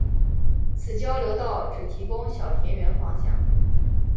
此交流道只提供小田原方向。